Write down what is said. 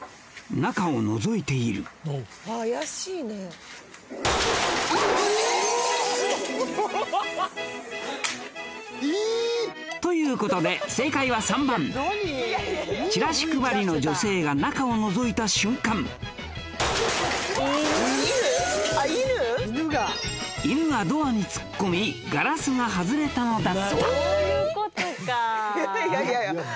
中をのぞいているということで正解は３番チラシ配りの女性が中をのぞいた瞬間犬がドアに突っ込みガラスが外れたのだったそういうことかいやいやいや